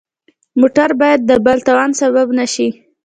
موټر مو باید د بل تاوان سبب نه شي.